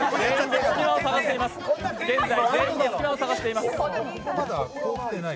現在、全員で隙間を探しています。